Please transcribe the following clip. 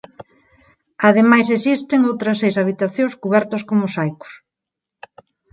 Ademais existen outras seis habitacións cubertas con mosaicos.